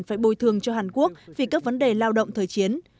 phải bồi thường cho hàn quốc vì các vấn đề lao động thời chiến